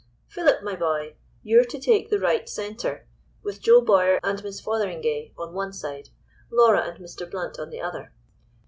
Philip, my boy! you're to take the right centre, with Joe Bowyer and Miss Fotheringay on one side, Laura and Mr. Blount on the other.